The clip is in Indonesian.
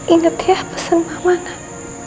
ingat setiap pesan mama nak